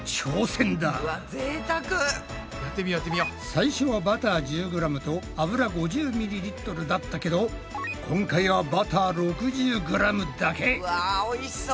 最初はバター１０ｇと油５０ｍｌだったけど今回はバター６０ｇだけ。わおいしそう！